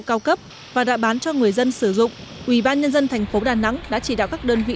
cao cấp và đã bán cho người dân sử dụng ủy ban nhân dân thành phố đà nẵng đã chỉ đạo các đơn vị